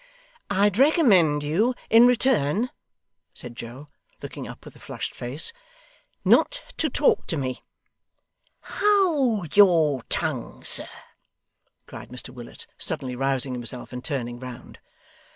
'I'd recommend you, in return,' said Joe, looking up with a flushed face, 'not to talk to me.' 'Hold your tongue, sir,' cried Mr Willet, suddenly rousing himself, and turning round.